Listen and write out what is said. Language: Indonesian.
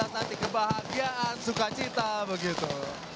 nanti kebahagiaan suka cita begitu